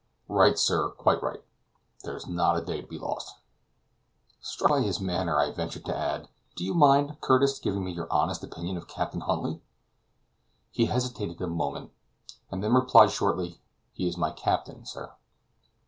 "Right, sir, quite right; there is not a day to be lost." Struck by his manner, I ventured to add, "Do you mind, Curtis, giving me your honest opinion of Captain Huntly?" He hesitated a moment, and then replied shortly, "He is my captain, sir."